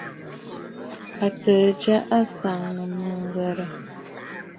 Àtsə̀ʼə̀ já á sáʼánə́mə́ ghàrə̀.